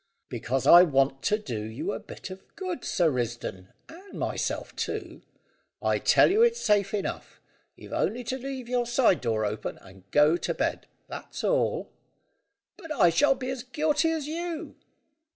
"Because I want to do you a bit of good, Sir Risdon, and myself too. I tell you it's safe enough. You've only to leave your side door open, and go to bed; that's all." "But I shall be as guilty as you."